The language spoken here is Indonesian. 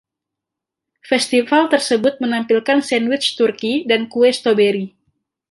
Festival tersebut menampilkan sandwich Turki dan Kue Stroberi.